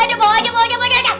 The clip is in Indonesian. aduh bawa aja bawa aja bawa aja